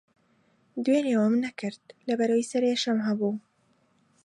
دوێنێ ئەوەم نەکرد، لەبەرەوەی سەرێشەم ھەبوو.